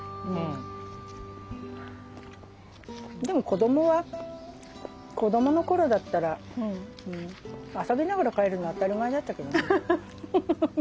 でも子どもは子どもの頃だったら遊びながら帰るの当たり前だったけどね。